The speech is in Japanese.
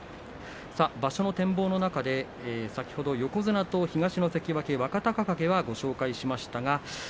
場所の展望の中で先ほど横綱と東の関脇若隆景はご紹介しました。